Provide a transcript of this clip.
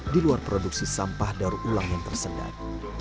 di luar produksi sampah darulang yang tersendat